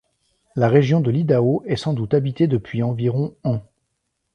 La région de l'Idaho est sans doute habitée depuis environ ans.